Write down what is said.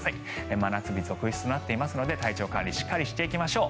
真夏日続出となっていますので体調管理しっかりしていきましょう。